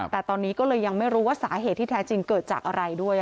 แต่ตอนนี้ก็เลยยังไม่รู้ว่าสาเหตุที่แท้จริงเกิดจากอะไรด้วย